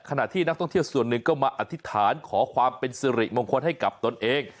ขณะที่นักท่องเที่ยวส่วนหนึ่งก็มาอธิษฐานขอความเป็นสิริมงคลให้กับตนเอง